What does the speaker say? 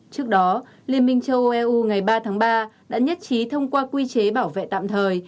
trước đó liên minh châu âu eu ngày ba tháng ba đã nhất trí thông qua quy chế bảo vệ tạm thời